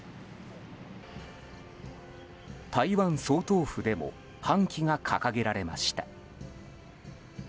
台湾総統府でも半旗が掲げられました。